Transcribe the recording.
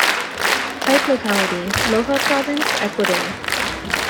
Type locality: Loja Province, Ecuador.